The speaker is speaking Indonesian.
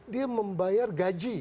dia membayar gaji